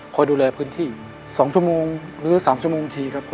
คอยดูแลพื้นที่๒ชั่วโมงหรือ๓ชั่วโมงทีครับ